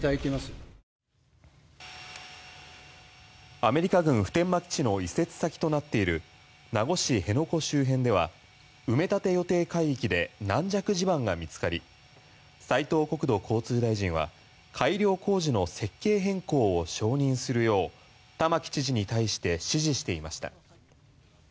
アメリカ軍普天間基地の移設先となっている名護市辺野古周辺では埋め立て予定海域で軟弱地盤が見つかり斉藤国土交通大臣は改良工事の設計変更を承認するよう玉城知事に対して指示していました。